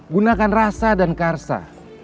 gunakan rasa dan karsa